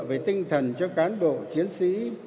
về tinh thần cho cán bộ chiến sĩ